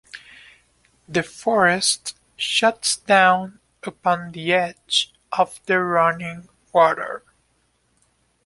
The forest shuts down upon the edge of the running water.